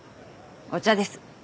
お茶です。